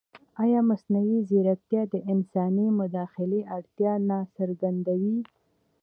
ایا مصنوعي ځیرکتیا د انساني مداخلې اړتیا نه څرګندوي؟